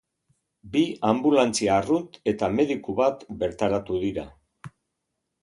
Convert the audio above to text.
Bi anbulantzia arrunt eta mediku bat bertaratu dira.